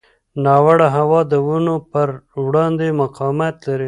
ناوړه هوا د ونو پر وړاندې مقاومت لري.